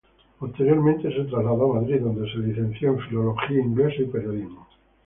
Posteriormente se trasladó a Madrid, donde se licenció en Filología inglesa y Periodismo.